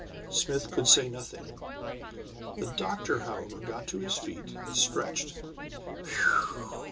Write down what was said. Smith could say nothing. The doctor, however, got to his feet and stretched.